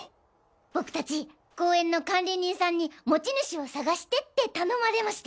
僕達公園の管理人さんに持ち主を探してって頼まれまして。